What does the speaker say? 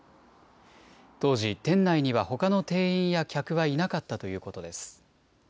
当時、店内にはほかの店員や客はいなかったということです。